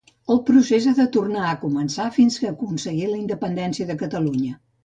El procés ha de tornar a començar fins a aconseguir la independència de Catalunya